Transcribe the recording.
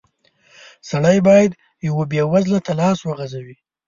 سړی بايد يوه بېوزله ته لاس وغزوي.